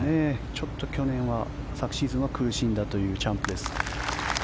ちょっと昨シーズンは苦しんだというチャンプです。